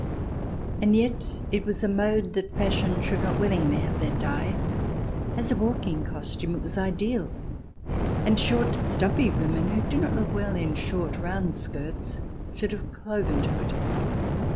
And yet it was a mode that fashion should not willingly have let die. As a walking costume it was ideal ; and short, stumpy women, who do not look well in short, round skirts, should have cloven to it.